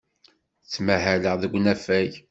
Ttmahaleɣ deg unafag.